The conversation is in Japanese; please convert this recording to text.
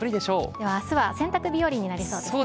ではあすは洗濯日和になりそうですね。